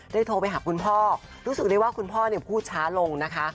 โทรไปหาคุณพ่อรู้สึกได้ว่าคุณพ่อพูดช้าลงนะคะ